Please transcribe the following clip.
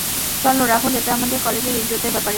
চলো রাহুল এটা আমাদের কলেজের ইজ্জতের ব্যাপারে।